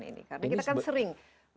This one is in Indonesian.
karena kita kan sering